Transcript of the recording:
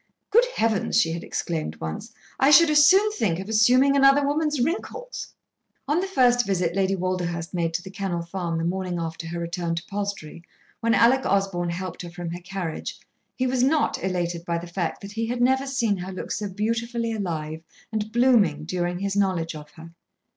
"Good heavens!" she had exclaimed once, "I should as soon think of assuming another woman's wrinkles." On the first visit Lady Walderhurst made to The Kennel Farm the morning after her return to Palstrey, when Alec Osborn helped her from her carriage, he was not elated by the fact that he had never seen her look so beautifully alive and blooming during his knowledge of her.